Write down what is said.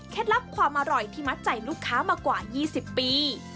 ลับความอร่อยที่มัดใจลูกค้ามากว่า๒๐ปี